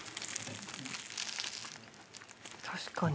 確かに。